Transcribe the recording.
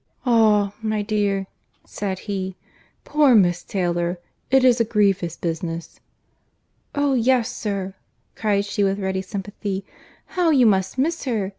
"Ah, my dear," said he, "poor Miss Taylor—It is a grievous business." "Oh yes, sir," cried she with ready sympathy, "how you must miss her!